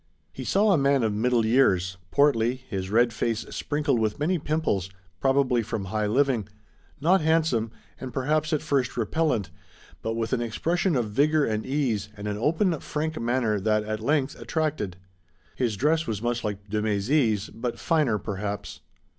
He saw a man of middle years, portly, his red face sprinkled with many pimples, probably from high living, not handsome and perhaps at first repellent, but with an expression of vigor and ease, and an open, frank manner that, at length, attracted. His dress was much like de Mézy's, but finer perhaps.